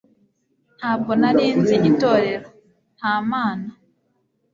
ntabwo nari nzi itorero, nta mana